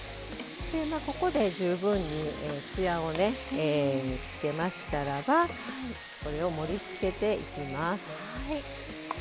ここで十分につやをねつけましたらばこれを盛りつけていきます。